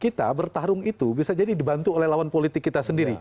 kita bertarung itu bisa jadi dibantu oleh lawan politik kita sendiri